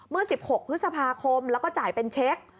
เมื่อ๑๖พฤษภาคมแล้วก็จ่ายเป็นเช็ค